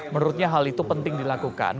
menurutnya hal itu penting dilakukan